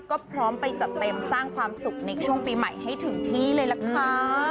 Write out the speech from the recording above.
ก็พร้อมไปจัดเต็มสร้างความสุขในช่วงปีใหม่ให้ถึงที่เลยล่ะค่ะ